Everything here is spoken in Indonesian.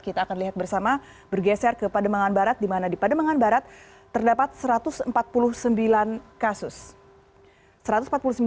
kita akan lihat bersama bergeser ke pademangan barat di mana di pademangan barat terdapat satu ratus empat puluh sembilan kasus